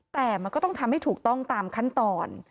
แต่มันก็ต้องทำให้ถูกต้องตามขั้นตอน